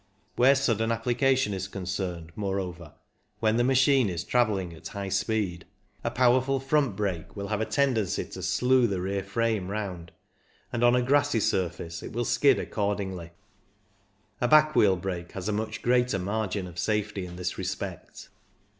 Where sudden application is concerned, moreover, when the machine is travelling at high speed, a 232 CYCLING IN THE ALPS powerful front brake will have a tendency to slew the rear frame round, and on a greasy surface it will skid accordingly. A back wheel brake has a much greater margin of safety in this respect.